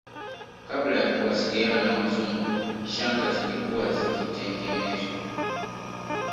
Kabla ya kuwasiliana na Wazungu shanga zilikuwa zikitengenezwa